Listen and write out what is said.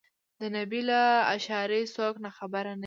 د نبي له اشارې څوک ناخبر نه دي.